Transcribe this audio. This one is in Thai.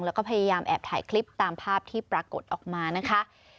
แล้วก็พยายามแอบถ่ายคลิปตามภาพที่ปรากฏออกมานะคะ